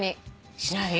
しない？